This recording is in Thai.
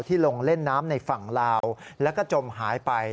ลงเล่นน้ำในฝั่งลาวแล้วก็จมหายไป